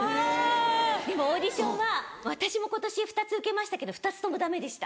でもオーディションは私も今年２つ受けましたけど２つともダメでした。